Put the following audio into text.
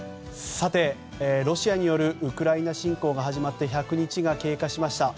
ロシアによるウクライナ侵攻が始まって１００日が経過しました。